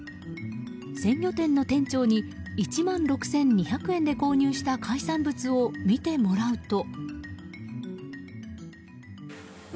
鮮魚店の店長に１万６２００円で購入した海産物を見てもらうと。